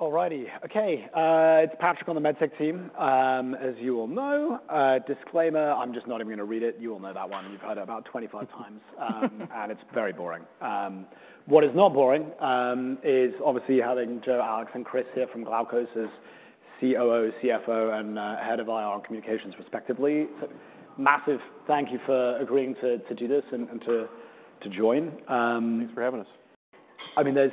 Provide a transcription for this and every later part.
All righty. Okay, it's Patrick on the MedTech team. As you all know, disclaimer, I'm just not even going to read it. You all know that one. You've heard it about 25 times and it's very boring. What is not boring is obviously having Joe, Alex, and Chris here from Glaukos's COO, CFO, and Head of IR Communications, respectively. So massive thank you for agreeing to do this and to join. Thanks for having us. I mean, there's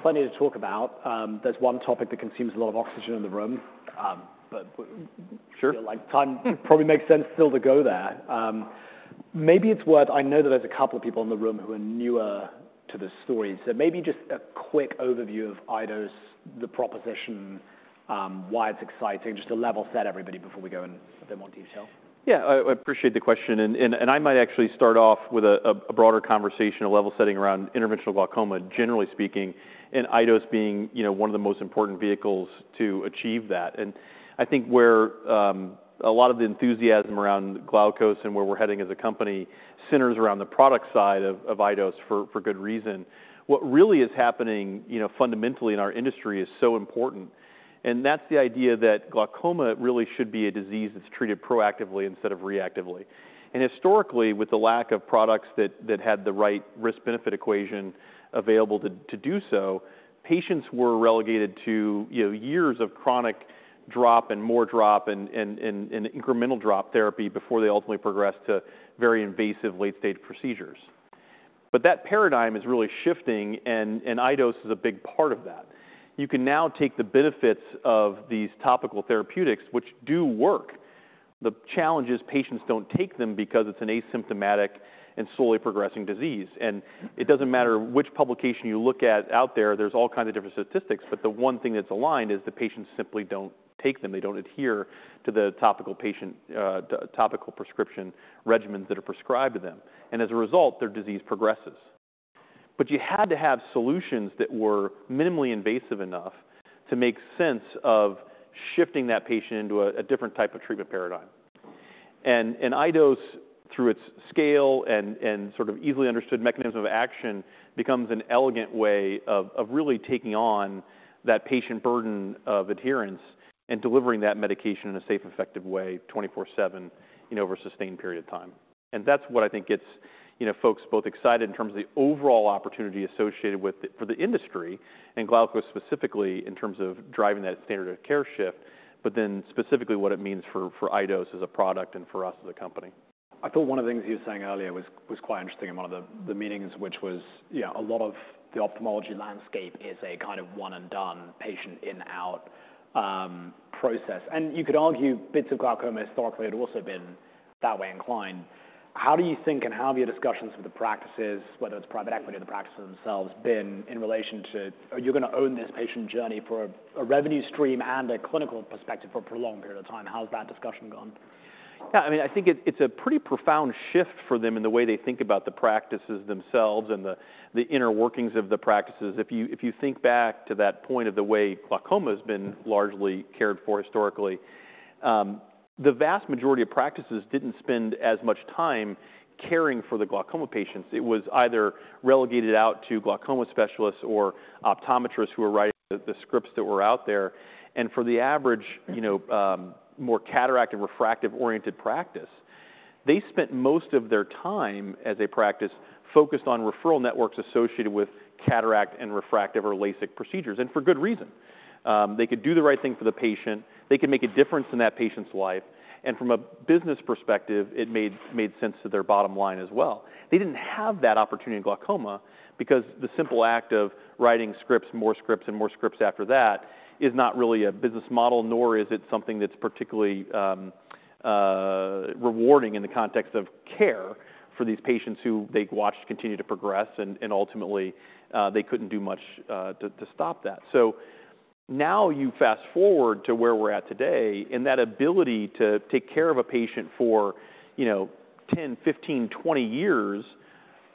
plenty to talk about. There's one topic that consumes a lot of oxygen in the room, but. Sure Like, time probably makes sense still to go there. Maybe it's worth it. I know that there's a couple of people in the room who are newer to this story, so maybe just a quick overview of iDose, the proposition, why it's exciting, just to level set everybody before we go in a bit more detail. Yeah, I appreciate the question, and I might actually start off with a broader conversation, a level setting around interventional glaucoma, generally speaking, and iDose being, you know, one of the most important vehicles to achieve that. I think where a lot of the enthusiasm around Glaukos and where we're heading as a company centers around the product side of iDose for good reason. What really is happening, you know, fundamentally in our industry is so important, and that's the idea that glaucoma really should be a disease that's treated proactively instead of reactively. Historically, with the lack of products that had the right risk-benefit equation available to do so, patients were relegated to, you know, years of chronic drop and more drop and incremental drop therapy before they ultimately progressed to very invasive late-stage procedures. But that paradigm is really shifting, and iDose is a big part of that. You can now take the benefits of these topical therapeutics, which do work. The challenge is, patients don't take them because it's an asymptomatic and slowly progressing disease, and it doesn't matter which publication you look at out there, there's all kinds of different statistics, but the one thing that's aligned is that patients simply don't take them. They don't adhere to the topical prescription regimens that are prescribed to them, and as a result, their disease progresses. But you had to have solutions that were minimally invasive enough to make sense of shifting that patient into a different type of treatment paradigm. iDose, through its scale and sort of easily understood mechanism of action, becomes an elegant way of really taking on that patient burden of adherence and delivering that medication in a safe, effective way, twenty-four seven, you know, over a sustained period of time. That's what I think gets, you know, folks both excited in terms of the overall opportunity associated with it for the industry, and Glaukos specifically, in terms of driving that standard of care shift, but then specifically, what it means for iDose as a product and for us as a company. I thought one of the things you were saying earlier was quite interesting in one of the meetings, which was, you know, a lot of the ophthalmology landscape is a kind of one-and-done patient in, out, process. And you could argue bits of glaucoma historically had also been that way inclined. How do you think, and how have your discussions with the practices, whether it's private equity, the practices themselves, been in relation to. Are you going to own this patient journey for a revenue stream and a clinical perspective for a prolonged period of time? How has that discussion gone? Yeah, I mean, I think it, it's a pretty profound shift for them in the way they think about the practices themselves and the, the inner workings of the practices. If you, if you think back to that point of the way glaucoma has been largely cared for historically, the vast majority of practices didn't spend as much time caring for the glaucoma patients. It was either relegated out to glaucoma specialists or optometrists who were writing the, the scripts that were out there. And for the average, you know, more cataract and refractive-oriented practice, they spent most of their time as a practice focused on referral networks associated with cataract and refractive or LASIK procedures, and for good reason. They could do the right thing for the patient, they could make a difference in that patient's life, and from a business perspective, it made sense to their bottom line as well. They didn't have that opportunity in glaucoma because the simple act of writing scripts, more scripts and more scripts after that is not really a business model, nor is it something that's particularly rewarding in the context of care for these patients who they've watched continue to progress and ultimately, they couldn't do much to stop that. So now you fast-forward to where we're at today, and that ability to take care of a patient for, you know, 10, 15, 20 years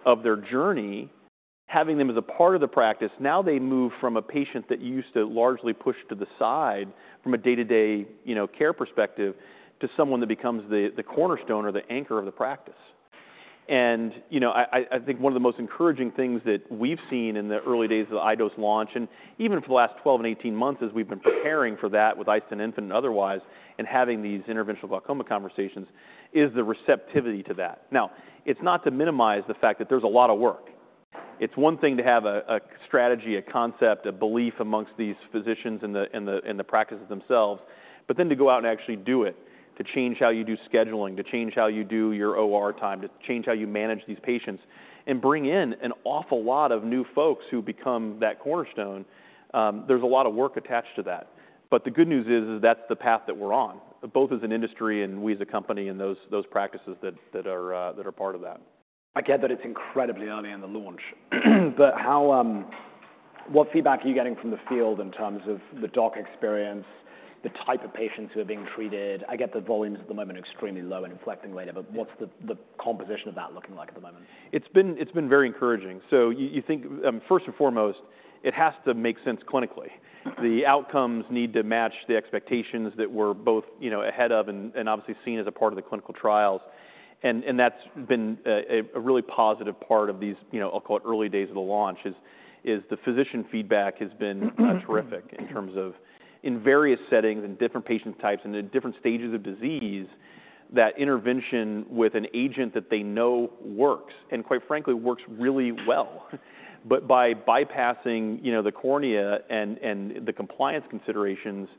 of their journey, having them as a part of the practice, now they move from a patient that you used to largely push to the side from a day-to-day, you know, care perspective, to someone that becomes the cornerstone or the anchor of the practice. And, you know, I think one of the most encouraging things that we've seen in the early days of the iDose launch, and even for the last 12 and 18 months, as we've been preparing for that with iStent infinite and otherwise, and having these interventional glaucoma conversations, is the receptivity to that. Now, it's not to minimize the fact that there's a lot of work. It's one thing to have a strategy, a concept, a belief amongst these physicians in the practices themselves, but then to go out and actually do it, to change how you do scheduling, to change how you do your OR time, to change how you manage these patients and bring in an awful lot of new folks who become that cornerstone. There's a lot of work attached to that. But the good news is that's the path that we're on, both as an industry and we as a company, and those practices that are part of that. I get that it's incredibly early in the launch, but how... What feedback are you getting from the field in terms of the doc experience, the type of patients who are being treated? I get the volumes at the moment are extremely low and inflecting later, but what's the composition of that looking like at the moment? It's been very encouraging. So you think, first and foremost, it has to make sense clinically. The outcomes need to match the expectations that we're both, you know, ahead of and obviously seen as a part of the clinical trials. And that's been a really positive part of these, you know, I'll call it, early days of the launch, is the physician feedback has been terrific in terms of various settings and different patient types and in different stages of disease that intervention with an agent that they know works, and quite frankly, works really well. But by bypassing, you know, the cornea and the compliance considerations,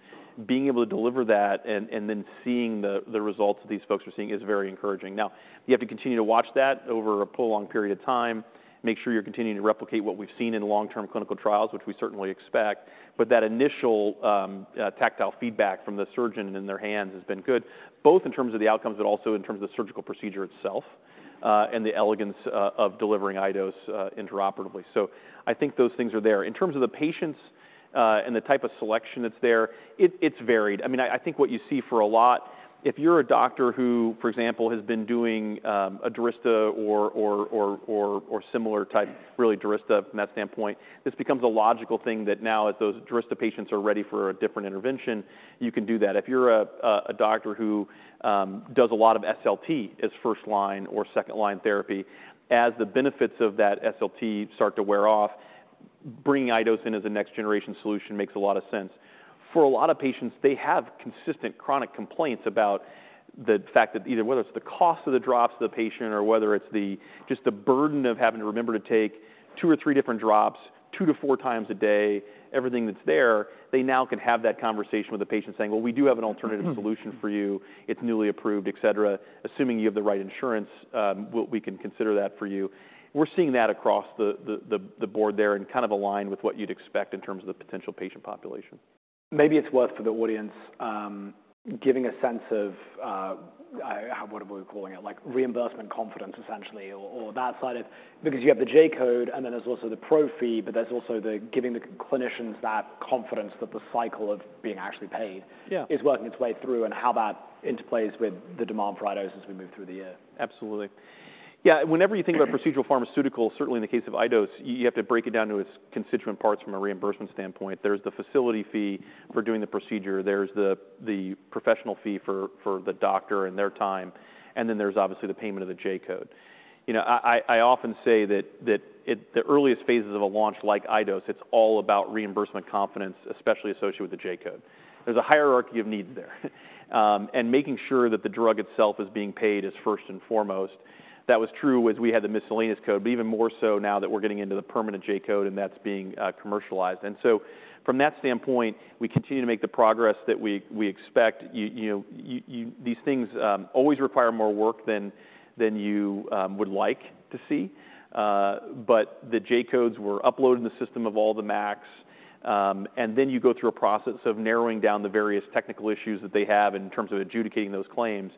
being able to deliver that and then seeing the results these folks are seeing is very encouraging. Now, you have to continue to watch that over a prolonged period of time, make sure you're continuing to replicate what we've seen in long-term clinical trials, which we certainly expect. But that initial tactile feedback from the surgeon in their hands has been good, both in terms of the outcomes, but also in terms of the surgical procedure itself, and the elegance of delivering iDose intraoperatively. So I think those things are there. In terms of the patients, and the type of selection that's there, it's varied. I mean, I think what you see for a lot, if you're a doctor who, for example, has been doing a DURYSTA or similar type, really DURYSTA from that standpoint, this becomes a logical thing that now as those DURYSTA patients are ready for a different intervention, you can do that. If you're a doctor who does a lot of SLT as first line or second line therapy, as the benefits of that SLT start to wear off, bringing iDose in as a next generation solution makes a lot of sense. For a lot of patients, they have consistent chronic complaints about the fact that either whether it's the cost of the drops to the patient or whether it's just the burden of having to remember to take two or three different drops, two to four times a day, everything that's there, they now can have that conversation with the patient saying, "Well, we do have an alternative solution for you. It's newly approved, etc. Assuming you have the right insurance, we, we can consider that for you." We're seeing that across the board there and kind of aligned with what you'd expect in terms of the potential patient population. Maybe it's worth for the audience, giving a sense of, what are we calling it? Like, reimbursement confidence, essentially, or that side of, because you have the J-code, and then there's also the pro fee, but there's also giving the clinicians that confidence that the cycle of being actually paid. Yeah Is working its way through and how that interplays with the demand for iDose as we move through the year. Absolutely. Yeah, whenever you think about procedural pharmaceuticals, certainly in the case of iDose, you have to break it down to its constituent parts from a reimbursement standpoint. There's the facility fee for doing the procedure, there's the professional fee for the doctor and their time, and then there's obviously the payment of the J-code. You know, I often say that the earliest phases of a launch like iDose, it's all about reimbursement confidence, especially associated with the J-code. There's a hierarchy of needs there. And making sure that the drug itself is being paid is first and foremost. That was true as we had the miscellaneous code, but even more so now that we're getting into the permanent J-code and that's being commercialized. And so from that standpoint, we continue to make the progress that we expect. You know, these things always require more work than you would like to see. But the J-codes were uploaded in the system of all the MACs. And then you go through a process of narrowing down the various technical issues that they have in terms of adjudicating those claims.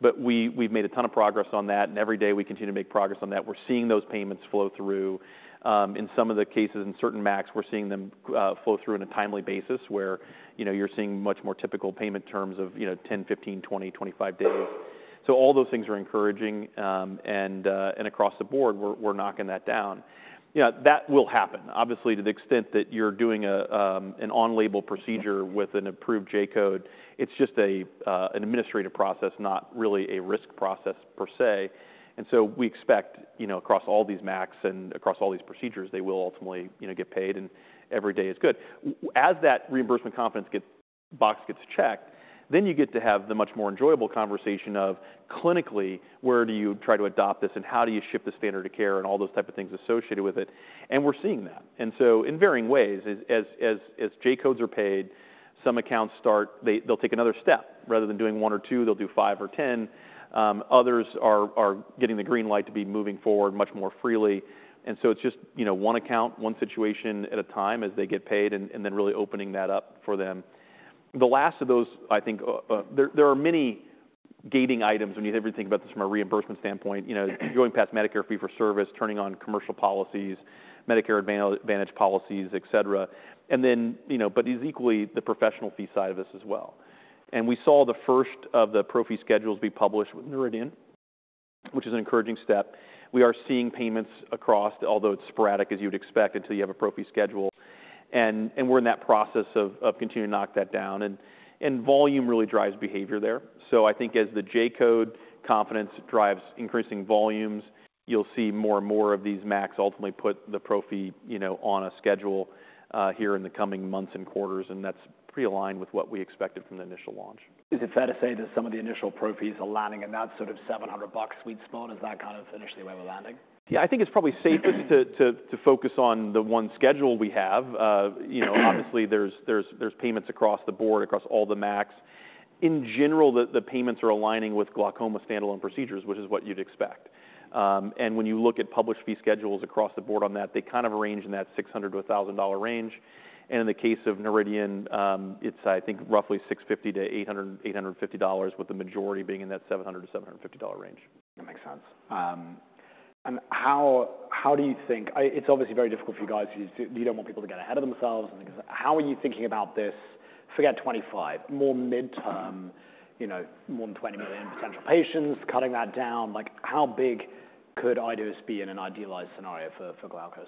But we've made a ton of progress on that, and every day we continue to make progress on that. We're seeing those payments flow through. In some of the cases, in certain MACs, we're seeing them flow through on a timely basis, where you know, you're seeing much more typical payment terms of you know 10, 15, 20, 25 days. So all those things are encouraging. And across the board, we're knocking that down. Yeah, that will happen. Obviously, to the extent that you're doing an on-label procedure with an approved J-code, it's just an administrative process, not really a risk process per se. And so we expect, you know, across all these MACs and across all these procedures, they will ultimately, you know, get paid, and every day is good. As that reimbursement confidence box gets checked, then you get to have the much more enjoyable conversation of, clinically, where do you try to adopt this and how do you shift the standard of care and all those type of things associated with it? And we're seeing that. And so in varying ways, as J-codes are paid, some accounts start. They'll take another step. Rather than doing one or two, they'll do five or 10. Others are getting the green light to be moving forward much more freely. And so it's just, you know, one account, one situation at a time as they get paid, and then really opening that up for them. The last of those, I think. There are many gating items when you think everything about this from a reimbursement standpoint. You know, going past Medicare fee-for-service, turning on commercial policies, Medicare Advantage policies, etc. And then, you know, but it is equally the professional fee side of this as well. And we saw the first of the pro fee schedules be published with Noridian, which is an encouraging step. We are seeing payments across, although it's sporadic, as you'd expect, until you have a pro fee schedule. We're in that process of continuing to knock that down. Volume really drives behavior there. So I think as the J-code confidence drives increasing volumes, you'll see more and more of these MACs ultimately put the pro fee, you know, on a schedule here in the coming months and quarters, and that's pretty aligned with what we expected from the initial launch. Is it fair to say that some of the initial pro fees are landing in that sort of $700 sweet spot? Is that kind of initially where we're landing? Yeah, I think it's probably safest to focus on the one schedule we have. You know, obviously, there's payments across the board, across all the MACs. In general, the payments are aligning with glaucoma standalone procedures, which is what you'd expect. And when you look at published fee schedules across the board on that, they kind of range in that $600-$1,000 range. And in the case of Noridian, it's, I think, roughly $650-$850, with the majority being in that $700-$750 range. That makes sense. How do you think, it's obviously very difficult for you guys. You don't want people to get ahead of themselves and things like that. How are you thinking about this, forget twenty-five, more mid-term, you know, more than 20 million potential patients, cutting that down? Like, how big could iDose be in an idealized scenario for Glaukos?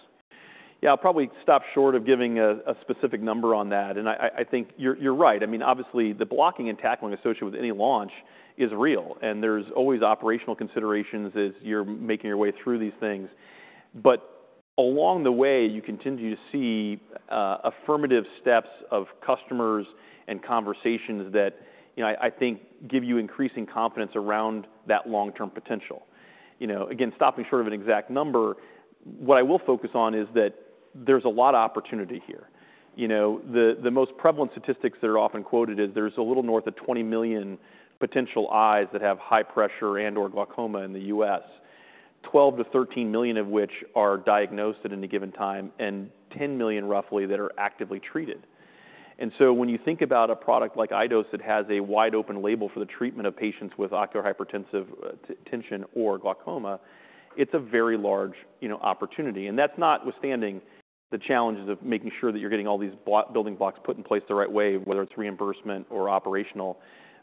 Yeah, I'll probably stop short of giving a specific number on that, and I think you're right. I mean, obviously, the blocking and tackling associated with any launch is real, and there's always operational considerations as you're making your way through these things. Along the way, you continue to see affirmative steps of customers and conversations that, you know, I think give you increasing confidence around that long-term potential. You know, again, stopping short of an exact number, what I will focus on is that there's a lot of opportunity here. You know, the most prevalent statistics that are often quoted is there's a little north of 20 million potential eyes that have high pressure and/or glaucoma in the U.S. 12 to 13 million of which are diagnosed at any given time, and 10 million, roughly, that are actively treated. And so when you think about a product like iDose that has a wide-open label for the treatment of patients with ocular hypertension or glaucoma, it's a very large, you know, opportunity. And that's notwithstanding the challenges of making sure that you're getting all these building blocks put in place the right way, whether it's reimbursement or operational.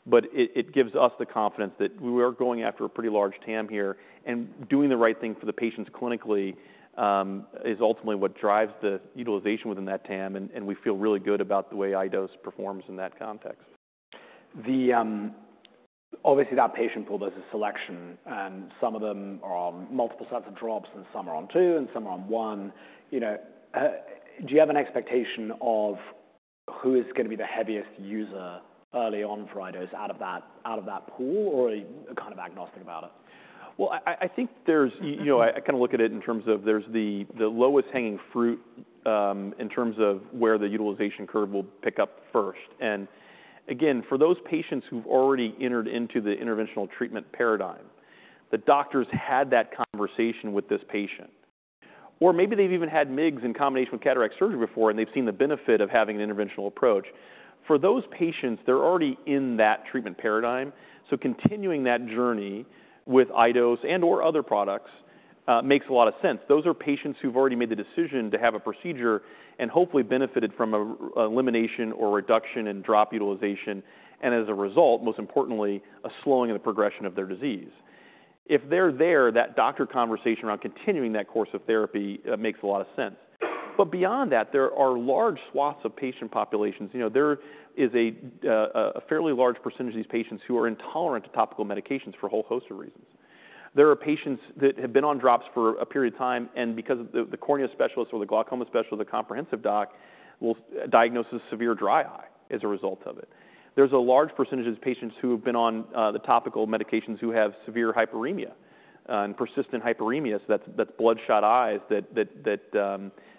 But it gives us the confidence that we are going after a pretty large TAM here, and doing the right thing for the patients clinically is ultimately what drives the utilization within that TAM, and we feel really good about the way iDose performs in that context. The, obviously, that patient pool, there's a selection, and some of them are on multiple sets of drops, and some are on two, and some are on one. You know, do you have an expectation of who is going to be the heaviest user early on for iDose out of that, out of that pool, or are you kind of agnostic about it? You know, I kind of look at it in terms of there's the lowest hanging fruit in terms of where the utilization curve will pick up first. And again, for those patients who've already entered into the interventional treatment paradigm, the doctors had that conversation with this patient. Or maybe they've even had MIGS in combination with cataract surgery before, and they've seen the benefit of having an interventional approach. For those patients, they're already in that treatment paradigm, so continuing that journey with iDose and/or other products makes a lot of sense. Those are patients who've already made the decision to have a procedure and hopefully benefited from an elimination or reduction in drop utilization, and as a result, most importantly, a slowing of the progression of their disease. If they're there, that doctor conversation around continuing that course of therapy makes a lot of sense. But beyond that, there are large swaths of patient populations. You know, there is a fairly large percentage of these patients who are intolerant to topical medications for a whole host of reasons. There are patients that have been on drops for a period of time, and because of the cornea specialist or the glaucoma specialist, the comprehensive doc, will diagnose a severe dry eye as a result of it. There's a large percentage of patients who have been on the topical medications who have severe hyperemia. And persistent hyperemia, so that's bloodshot eyes that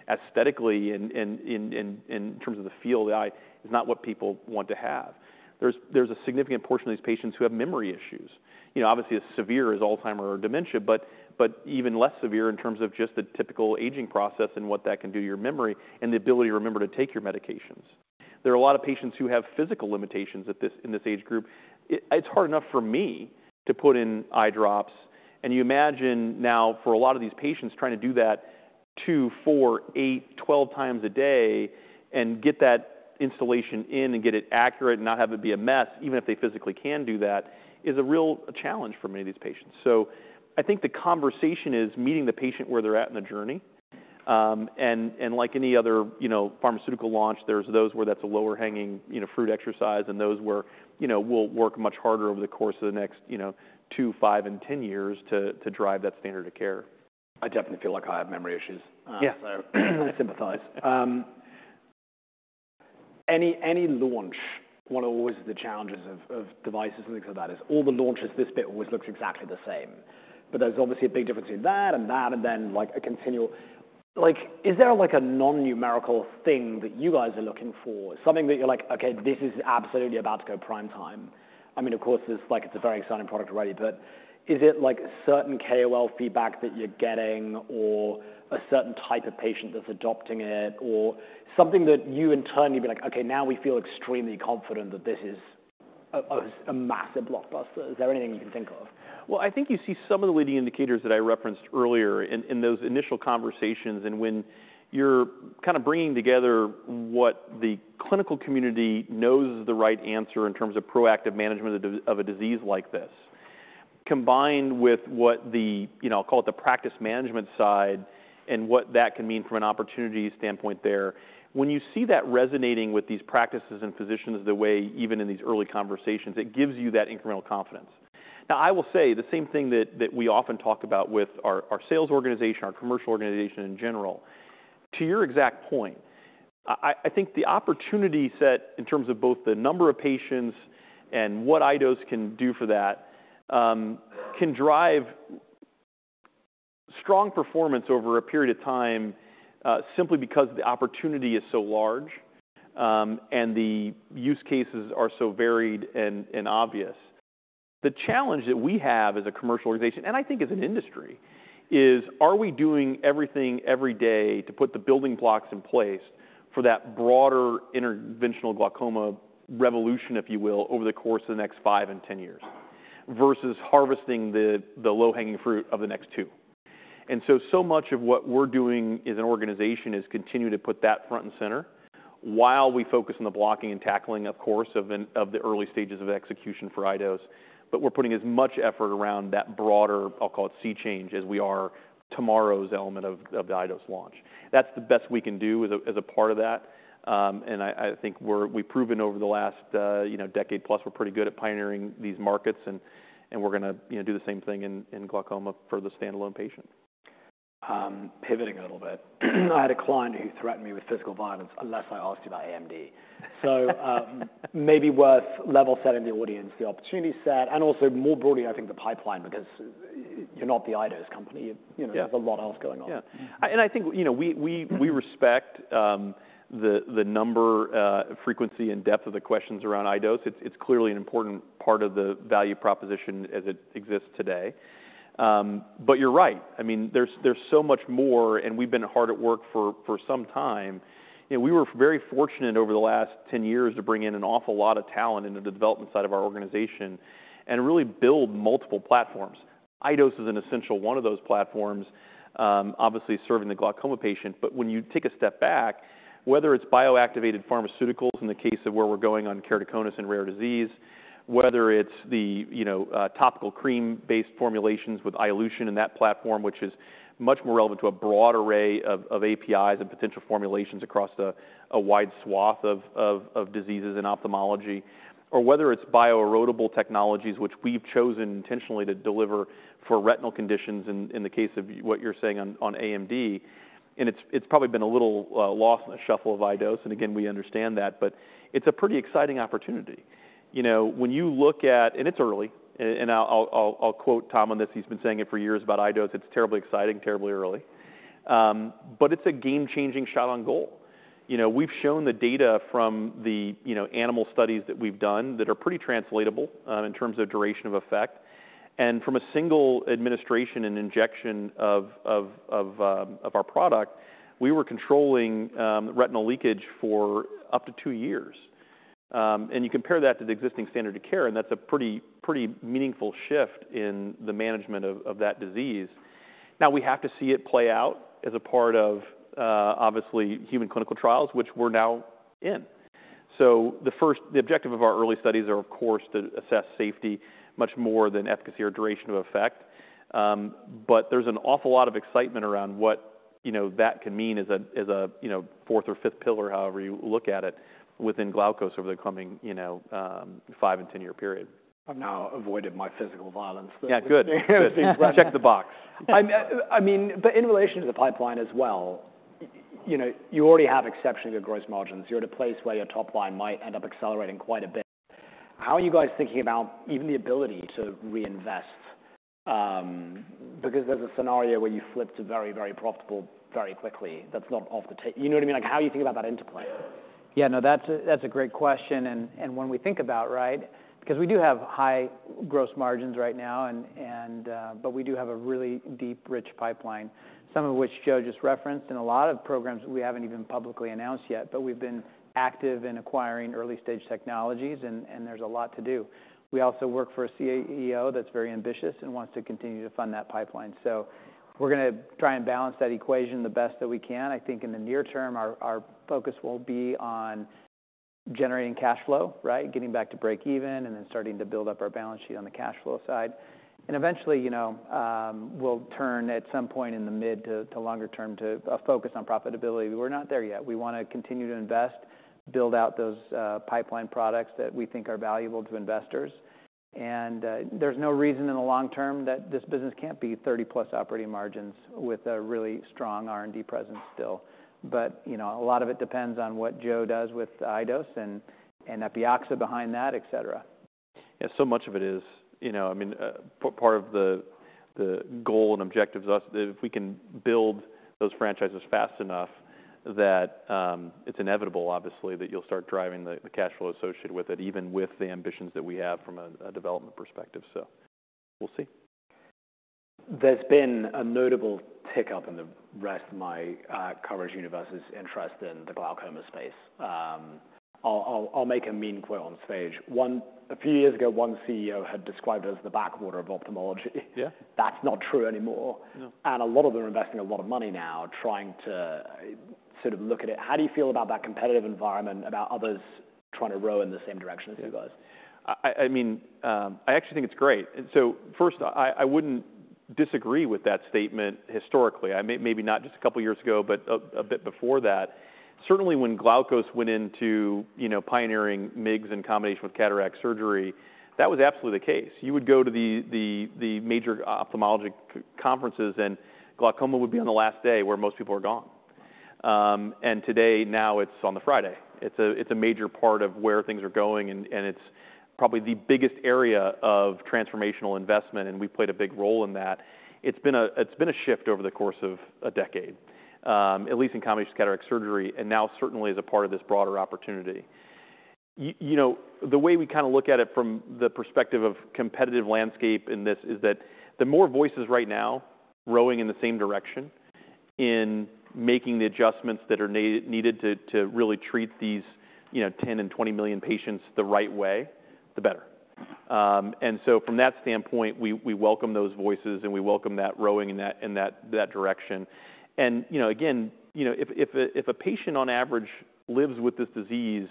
aesthetically, in terms of the feel of the eye, is not what people want to have. There's a significant portion of these patients who have memory issues, you know, obviously as severe as Alzheimer's or dementia, but even less severe in terms of just the typical aging process and what that can do to your memory and the ability to remember to take your medications. There are a lot of patients who have physical limitations in this age group. It's hard enough for me to put in eye drops, and you imagine now, for a lot of these patients, trying to do that two, four, eight, 12 times a day and get that instillation in and get it accurate and not have it be a mess, even if they physically can do that, is a real challenge for many of these patients. So I think the conversation is meeting the patient where they're at in the journey. Like any other, you know, pharmaceutical launch, there's those where that's a lower-hanging, you know, fruit exercise and those where, you know, we'll work much harder over the course of the next, you know, two, five, and 10 years to drive that standard of care. I definitely feel like I have memory issues. Yeah. I sympathize. Any launch, one of the challenges of devices and things like that is all the launches. This bit always looks exactly the same. But there's obviously a big difference between that and that, and then, like, is there, like, a non-numerical thing that you guys are looking for? Something that you're like, "Okay, this is absolutely about to go prime time." I mean, of course, it's like, it's a very exciting product already. But is it like a certain KOL feedback that you're getting, or a certain type of patient that's adopting it, or something that you internally be like, "Okay, now we feel extremely confident that this is a massive blockbuster?" Is there anything you can think of? I think you see some of the leading indicators that I referenced earlier in those initial conversations, and when you're kind of bringing together what the clinical community knows is the right answer in terms of proactive management of a disease like this, combined with what the, you know, I'll call it the practice management side and what that can mean from an opportunity standpoint there. When you see that resonating with these practices and physicians the way, even in these early conversations, it gives you that incremental confidence. Now, I will say the same thing that we often talk about with our sales organization, our commercial organization in general. To your exact point, I think the opportunity set in terms of both the number of patients and what iDose can do for that, can drive strong performance over a period of time, simply because the opportunity is so large, and the use cases are so varied and obvious. The challenge that we have as a commercial organization, and I think as an industry is: Are we doing everything every day to put the building blocks in place for that broader interventional glaucoma revolution, if you will, over the course of the next five and 10 years, versus harvesting the low-hanging fruit of the next two? And so, so much of what we're doing as an organization is continue to put that front and center while we focus on the blocking and tackling, of course, of the early stages of execution for iDose. But we're putting as much effort around that broader, I'll call it, sea change, as we are tomorrow's element of the iDose launch. That's the best we can do as a part of that. And I think we've proven over the last, you know, decade plus, we're pretty good at pioneering these markets, and we're gonna, you know, do the same thing in glaucoma for the standalone patient. Pivoting a little bit. I had a client who threatened me with physical violence unless I asked you about AMD. So, maybe worth level setting the audience, the opportunity set, and also more broadly, I think the pipeline, because you're not the iDose company. You know. Yeah There's a lot else going on. Yeah. And I think, you know, we respect the number, frequency, and depth of the questions around iDose. It's clearly an important part of the value proposition as it exists today. But you're right. I mean, there's so much more, and we've been hard at work for some time. You know, we were very fortunate over the last 10 years to bring in an awful lot of talent into the development side of our organization and really build multiple platforms. iDose is an essential one of those platforms, obviously serving the glaucoma patient. But when you take a step back, whether it's bioactivated pharmaceuticals, in the case of where we're going on keratoconus and rare disease, whether it's the, you know, topical cream-based formulations with iLution in that platform, which is much more relevant to a broad array of of diseases in ophthalmology, or whether it's bio-erodible technologies, which we've chosen intentionally to deliver for retinal conditions in the case of what you're saying on AMD, and it's probably been a little lost in the shuffle of iDose. And again, we understand that, but it's a pretty exciting opportunity. You know, when you look at and it's early, and I'll quote Tom on this. He's been saying it for years about iDose: "It's terribly exciting, terribly early." But it's a game-changing shot on goal. You know, we've shown the data from the, you know, animal studies that we've done that are pretty translatable, in terms of duration of effect. And from a single administration and injection of our product, we were controlling retinal leakage for up to two years. And you compare that to the existing standard of care, and that's a pretty, pretty meaningful shift in the management of that disease. Now, we have to see it play out as a part of, obviously, human clinical trials, which we're now in. So the objective of our early studies are, of course, to assess safety much more than efficacy or duration of effect. But there's an awful lot of excitement around what, you know, that can mean as a fourth or fifth pillar, however you look at it, within Glaukos over the coming, you know, five and 10-year period. I've now avoided my physical violence. Yeah, good. Check the box. I mean, but in relation to the pipeline as well, you know, you already have exceptionally good gross margins. You're at a place where your top line might end up accelerating quite a bit. How are you guys thinking about even the ability to reinvest? Because there's a scenario where you flip to very, very profitable very quickly. That's not off the table. You know what I mean? Like, how are you thinking about that interplay? Yeah, no, that's a, that's a great question, and when we think about, right? Because we do have high gross margins right now, and but we do have a really deep, rich pipeline, some of which Joe just referenced, and a lot of programs we haven't even publicly announced yet. But we've been active in acquiring early-stage technologies, and there's a lot to do. We also work for a CEO that's very ambitious and wants to continue to fund that pipeline. So we're gonna try and balance that equation the best that we can. I think in the near-term, our focus will be on generating cash flow, right? Getting back to break even, and then starting to build up our balance sheet on the cash flow side. And eventually, you know, we'll turn at some point in the mid to longer-term to focus on profitability. We're not there yet. We want to continue to invest, build out those pipeline products that we think are valuable to investors. And there's no reason in the long-term that this business can't be 30-plus operating margins with a really strong R&D presence still. But, you know, a lot of it depends on what Joe does with iDose and Epioxa behind that, etc. Yeah, so much of it is. You know, I mean, part of the goal and objective is, if we can build those franchises fast enough, that it's inevitable, obviously, that you'll start driving the cash flow associated with it, even with the ambitions that we have from a development perspective. So we'll see. There's been a notable tick-up in the rest of my coverage universe's interest in the glaucoma space. I'll make a mean quote on stage. A few years ago, one CEO had described it as the backwater of ophthalmology. Yeah. That's not true anymore. No. A lot of them are investing a lot of money now, trying to sort of look at it. How do you feel about that competitive environment, about others trying to row in the same direction as you guys? I mean, I actually think it's great. And so first, I wouldn't disagree with that statement historically. Maybe not just a couple of years ago, but a bit before that. Certainly, when Glaukos went into, you know, pioneering MIGS in combination with cataract surgery, that was absolutely the case. You would go to the major ophthalmologic conferences, and glaucoma would be on the last day, where most people are gone. And today, now it's on the Friday. It's a major part of where things are going, and it's probably the biggest area of transformational investment, and we've played a big role in that. It's been a shift over the course of a decade, at least in combination with cataract surgery, and now certainly as a part of this broader opportunity. You know, the way we kind of look at it from the perspective of competitive landscape in this is that the more voices right now rowing in the same direction in making the adjustments that are needed to really treat these, you know, 10 and 20 million patients the right way, the better, and so from that standpoint, we welcome those voices, and we welcome that rowing in that direction, and you know, again, you know, if a patient on average lives with this disease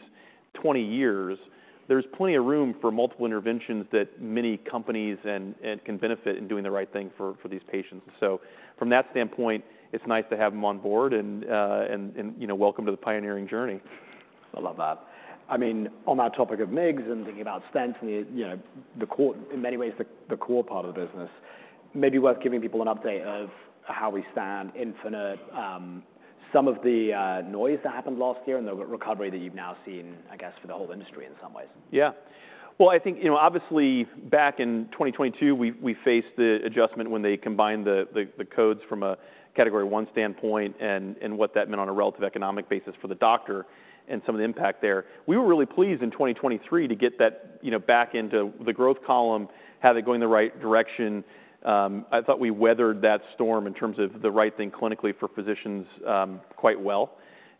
20 years, there's plenty of room for multiple interventions that many companies and can benefit in doing the right thing for these patients, so from that standpoint, it's nice to have them on board, and you know, welcome to the pioneering journey. I love that. I mean, on that topic of MIGS and thinking about stent, you know, the core, in many ways, the core part of the business, maybe worth giving people an update of how we stand iStent infinite. Some of the noise that happened last year and the recovery that you've now seen, I guess, for the whole industry in some ways. Yeah. Well, I think, you know, obviously back in 2022, we faced the adjustment when they combined the codes from a Category 1 standpoint and what that meant on a relative economic basis for the doctor and some of the impact there. We were really pleased in 2023 to get that, you know, back into the growth column, have it going in the right direction. I thought we weathered that storm in terms of the right thing clinically for physicians quite well,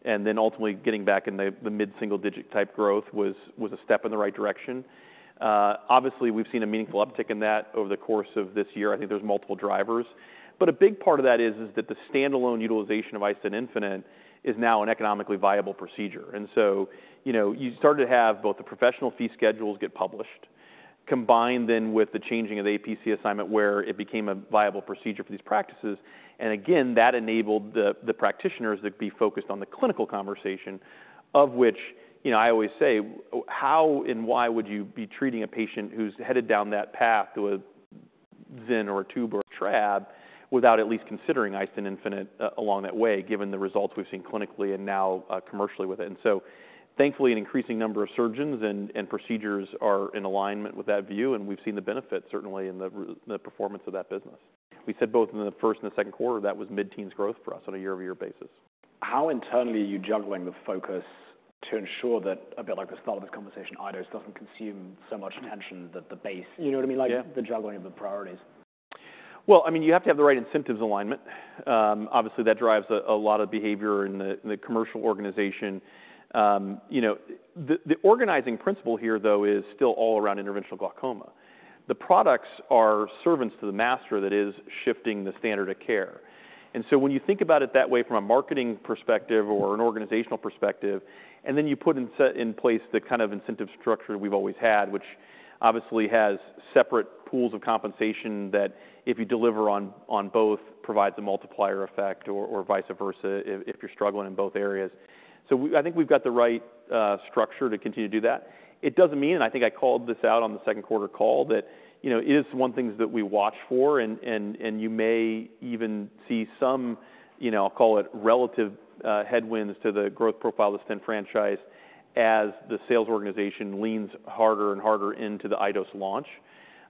and then ultimately getting back in the mid-single digit type growth was a step in the right direction. Obviously, we've seen a meaningful uptick in that over the course of this year. I think there's multiple drivers, but a big part of that is that the standalone utilization of iStent infinite is now an economically viable procedure. And so, you know, you started to have both the professional fee schedules get published, combined then with the changing of the APC assignment, where it became a viable procedure for these practices. And again, that enabled the practitioners to be focused on the clinical conversation, of which, you know, I always say, how and why would you be treating a patient who's headed down that path to a XEN or a tube or a trab without at least considering iStent infinite along that way, given the results we've seen clinically and now commercially with it? And so, thankfully, an increasing number of surgeons and procedures are in alignment with that view, and we've seen the benefit certainly in the performance of that business. We said both in the first and the second quarter, that was mid-teens growth for us on a year-over-year basis. How internally are you juggling the focus to ensure that a bit like the start of this conversation, iDose doesn't consume so much attention that the base. You know what I mean? Yeah. Like the juggling of the priorities. I mean, you have to have the right incentives alignment. Obviously, that drives a lot of behavior in the commercial organization. You know, the organizing principle here, though, is still all around interventional glaucoma. The products are servants to the master that is shifting the standard of care. And so when you think about it that way from a marketing perspective or an organizational perspective, and then you put in set in place the kind of incentive structure we've always had, which obviously has separate pools of compensation that if you deliver on both provides a multiplier effect or vice versa if you're struggling in both areas. I think we've got the right structure to continue to do that. It doesn't mean, and I think I called this out on the second quarter call, that, you know, it is one of the things that we watch for, and you may even see some, you know, I'll call it relative headwinds to the growth profile of the stent franchise as the sales organization leans harder and harder into the iDose launch.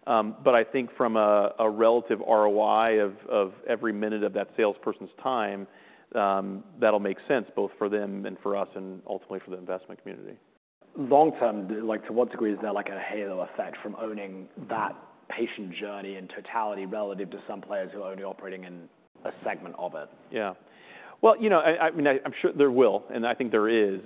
But I think from a relative ROI of every minute of that salesperson's time, that'll make sense both for them and for us, and ultimately for the investment community. Long-term, like, to what degree is there like a halo effect from owning that patient journey in totality, relative to some players who are only operating in a segment of it? Yeah. Well, you know, I mean, I'm sure there will, and I think there is.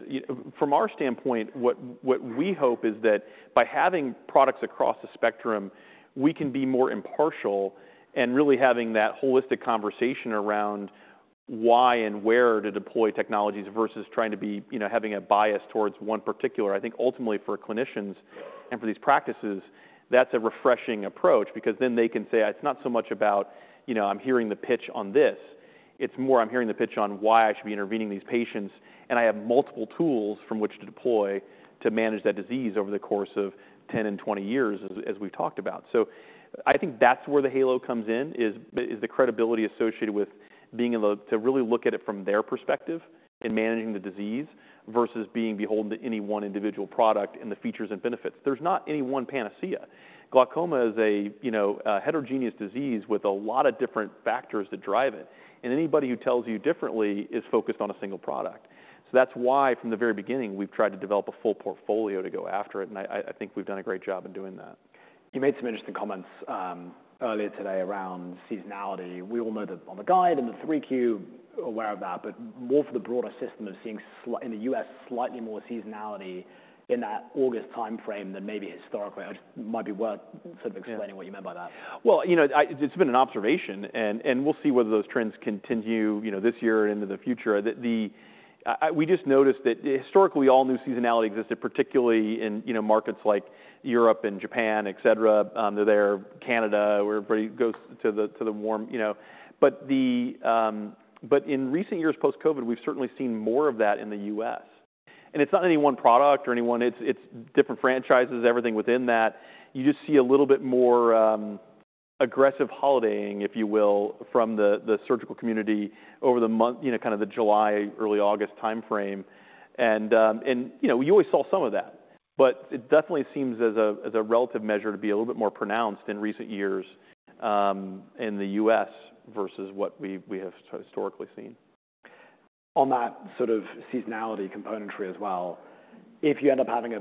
From our standpoint, what we hope is that by having products across the spectrum, we can be more impartial and really having that holistic conversation around why and where to deploy technologies, versus trying to be, you know, having a bias towards one particular. I think ultimately for clinicians and for these practices, that's a refreshing approach because then they can say, "It's not so much about, you know, I'm hearing the pitch on this. It's more I'm hearing the pitch on why I should be intervening these patients, and I have multiple tools from which to deploy to manage that disease over the course of 10 and 20 years," as we've talked about. So I think that's where the halo comes in, is the credibility associated with being able to really look at it from their perspective in managing the disease versus being beholden to any one individual product and the features and benefits. There's not any one panacea. Glaucoma is a, you know, a heterogeneous disease with a lot of different factors that drive it, and anybody who tells you differently is focused on a single product. So that's why, from the very beginning, we've tried to develop a full portfolio to go after it, and I think we've done a great job in doing that. You made some interesting comments earlier today around seasonality. We all know that on the guide and the Q3, aware of that, but more for the broader sense of seeing slightly more seasonality in the U.S., in that August timeframe than maybe historically. It might be worth sort of explaining what you meant by that. You know, it's been an observation, and, and we'll see whether those trends continue, you know, this year and into the future. We just noticed that historically, all new seasonality existed, particularly in, you know, markets like Europe and Japan, etc, there, Canada, where everybody goes to the, to the warm, you know. But in recent years, post-COVID, we've certainly seen more of that in the U.S. And it's not any one product or any one... It's, it's different franchises, everything within that. You just see a little bit more aggressive holidaying, if you will, from the, the surgical community over the month, you know, kind of the July, early August timeframe. You know, we always saw some of that, but it definitely seems, as a relative measure, to be a little bit more pronounced in recent years in the U.S. versus what we have historically seen. On that sort of seasonality commentary as well, if you end up having a,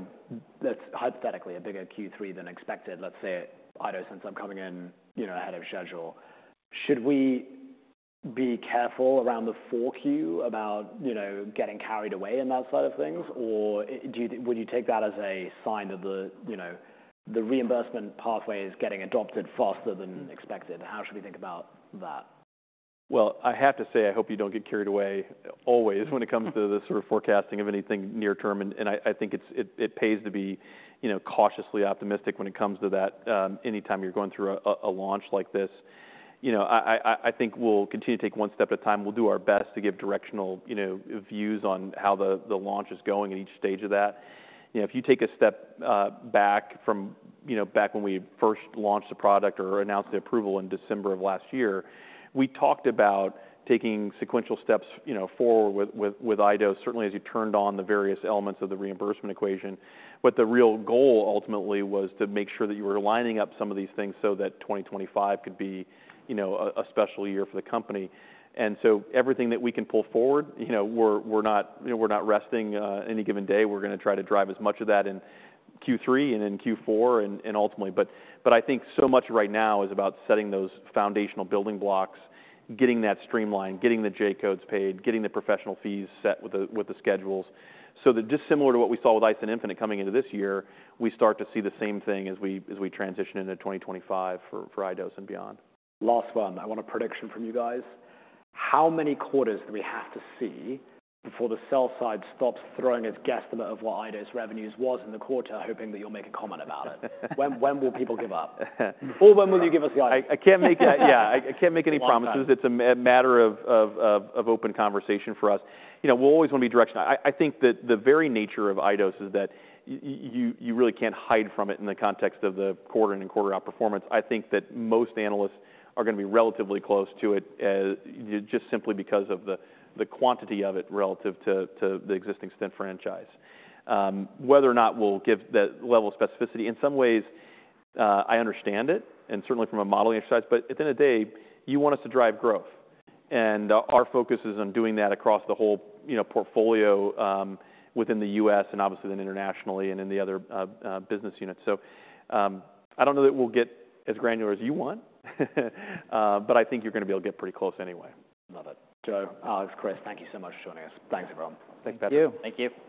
let's say, hypothetically, a bigger Q3 than expected, let's say, iDose, since it's coming in, you know, ahead of schedule, should we be careful around the Q4 about, you know, getting carried away in that side of things? Or would you take that as a sign of the, you know, the reimbursement pathway is getting adopted faster than expected? How should we think about that? I have to say, I hope you don't get carried away always when it comes to the sort of forecasting of anything near-term, and I think it pays to be, you know, cautiously optimistic when it comes to that, anytime you're going through a launch like this. You know, I think we'll continue to take one step at a time. We'll do our best to give directional, you know, views on how the launch is going at each stage of that. You know, if you take a step back from, you know, back when we first launched the product or announced the approval in December of last year, we talked about taking sequential steps, you know, forward with iDose, certainly as you turned on the various elements of the reimbursement equation. But the real goal ultimately was to make sure that you were lining up some of these things so that twenty twenty-five could be, you know, a special year for the company. And so everything that we can pull forward, you know, we're not resting. Any given day, we're gonna try to drive as much of that in Q3 and in Q4 and ultimately. But I think so much right now is about setting those foundational building blocks, getting that streamlined, getting the J-codes paid, getting the professional fees set with the schedules. So that just similar to what we saw with iStent infinite coming into this year, we start to see the same thing as we transition into 2025 for iDose and beyond. Last one, I want a prediction from you guys. How many quarters do we have to see before the sell-side stops throwing its guesstimate of what iDose revenues was in the quarter, hoping that you'll make a comment about it? When, when will people give up? Or when will you give us light? Yeah, I can't make any promises. Long time. It's a matter of open conversation for us. You know, we'll always want to be directional. I think that the very nature of iDose is that you really can't hide from it in the context of the quarter in and quarter outperformance. I think that most analysts are gonna be relatively close to it, just simply because of the quantity of it relative to the existing stent franchise. Whether or not we'll give that level of specificity, in some ways, I understand it, and certainly from a modeling exercise, but at the end of the day, you want us to drive growth, and our focus is on doing that across the whole, you know, portfolio, within the U.S. and obviously then internationally and in the other business units. I don't know that we'll get as granular as you want, but I think you're gonna be able to get pretty close anyway. Love it. Joe, Chris, thank you so much for joining us. Thanks, everyone. Thank you. Thank you.